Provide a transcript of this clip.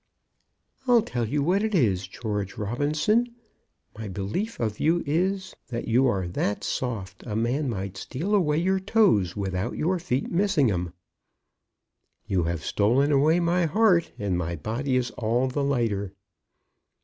"I'll tell you what it is, George Robinson; my belief of you is, that you are that soft, a man might steal away your toes without your feet missing 'em." "You have stolen away my heart, and my body is all the lighter."